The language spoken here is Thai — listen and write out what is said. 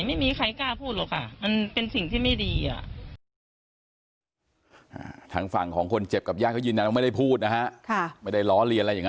ไม่มีใครกล้าพูดหรอกค่ะมันเป็นสิ่งที่ไม่ดีอ่ะ